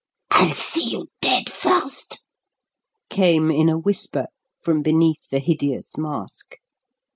"I'll see you dead first!" came in a whisper from beneath the hideous mask.